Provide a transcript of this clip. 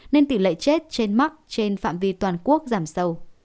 nên tỷ lệ chết trên mắc trên phạm vi toàn quốc giảm sâu